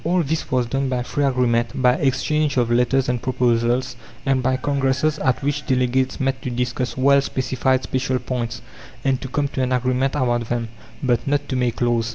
All this was done by free agreement, by exchange of letters and proposals, and by congresses at which delegates met to discuss well specified special points, and to come to an agreement about them, but not to make laws.